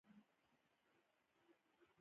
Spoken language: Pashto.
متلونه په بېلابېلو بڼو او شکلونو موندل کیږي